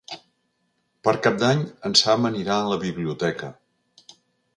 Per Cap d'Any en Sam anirà a la biblioteca.